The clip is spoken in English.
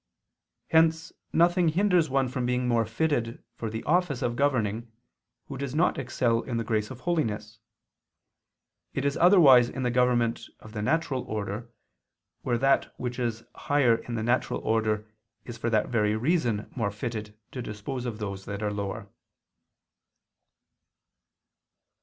Hence nothing hinders one from being more fitted for the office of governing, who does not excel in the grace of holiness. It is otherwise in the government of the natural order, where that which is higher in the natural order is for that very reason more fitted to dispose of those that are lower.